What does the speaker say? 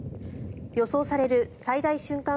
予想される最大瞬間